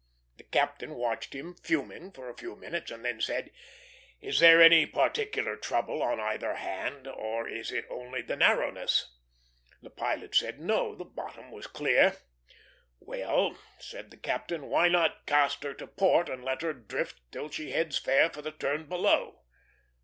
The captain watched him fuming for a few minutes, and then said, "Is there any particular trouble on either hand, or is it only the narrowness?" The pilot said no; the bottom was clear. "Well," said the captain, "why not cast her to port, and let her drift till she heads fair for the turn below?"